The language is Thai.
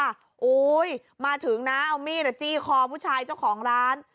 โอ้โหมาถึงนะเอามีดจี้คอผู้ชายเจ้าของร้าน